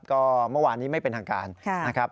ก็เมื่อวานนี้ไม่เป็นทางการนะครับ